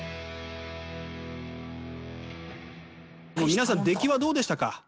皆さん出来はどうでしたか？